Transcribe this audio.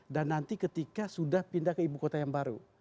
dan nanti ketika sudah pindah ke ibu kota yang baru